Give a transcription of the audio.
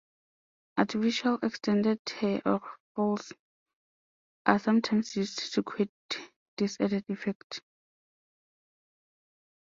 Artificial, extended hair or "falls" are sometimes used to create this added effect.